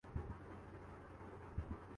اچھے لیڈران ہوں۔